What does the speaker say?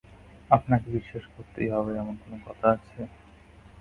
আপনাকে বিশ্বাস করতেই হবে এমন কোনো কথা আছে?